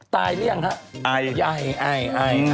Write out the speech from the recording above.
ตายหรือยังครับ